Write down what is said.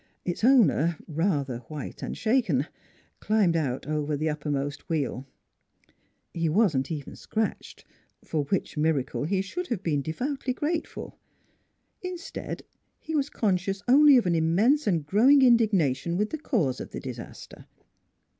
Its owner, rather white and shaken, climbed out over the uppermost wheel. He wasn't even scratched, for which miracle he 96 NEIGHBORS should have been devoutly grateful. Instead, he was conscious only of an immense and growing indignation with the cause of the disaster.